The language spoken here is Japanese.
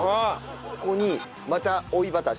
ここにまた追いバターします。